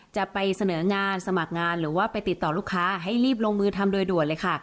จะไปเสนองานสมัครงานหรือว่าไปติดต่อลูกค้าให้รีบลงมือทำโดยด่วนเลยค่ะ